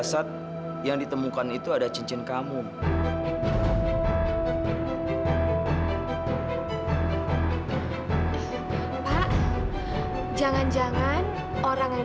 sampai jumpa di video selanjutnya